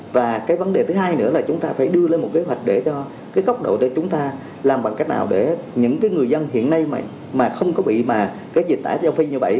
và cái vấn đề thứ hai nữa là chúng ta phải đưa lên một kế hoạch để cho cái góc độ để chúng ta làm bằng cách nào để những người dân hiện nay mà không có bị mà cái dịch tả châu phi như vậy